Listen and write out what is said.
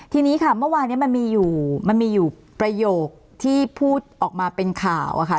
ทีนี้ค่ะเมื่อวานนี้มันมีอยู่มันมีอยู่ประโยคที่พูดออกมาเป็นข่าวอะค่ะ